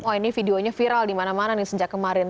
oh ini videonya viral dimana mana nih sejak kemarin